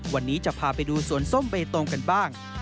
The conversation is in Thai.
วันนี้จะพาไปดูสวนส้มเบตงกันบ้าง